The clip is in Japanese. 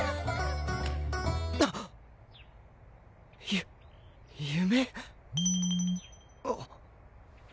ゆ夢？